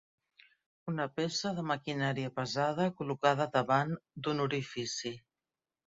Una peça de maquinaria pesada col·locada davant d"un orifici.